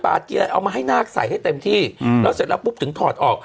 บาทกินอะไรเอามาให้นาคใส่ให้เต็มที่แล้วเสร็จแล้วปุ๊บถึงถอดออก